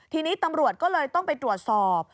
ทีนี้ตำรวจก็เลยต้องไปตรวจสอบ